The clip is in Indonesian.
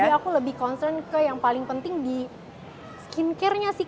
jadi aku lebih concern ke yang paling penting di skin care nya sih